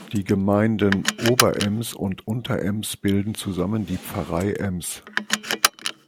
Die Gemeinden Oberems und Unterems bilden zusammen die Pfarrei Ems.